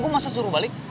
gue masa suruh balik